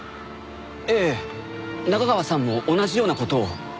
ええ中川さんも同じような事を。